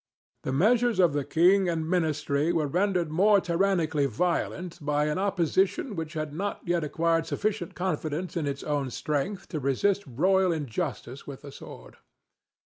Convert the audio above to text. The measures of the king and ministry were rendered more tyrannically violent by an opposition which had not yet acquired sufficient confidence in its own strength to resist royal injustice with the sword.